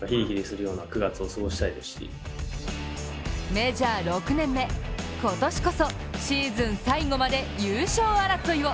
メジャー６年目、今年こそシーズン最後まで優勝争いを。